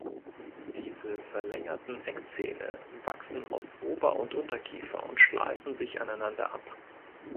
Diese verlängerten Eckzähne wachsen aus Ober- und Unterkiefer und schleifen sich aneinander ab.